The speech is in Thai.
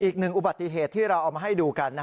อีกหนึ่งอุบัติเหตุที่เราเอามาให้ดูกัน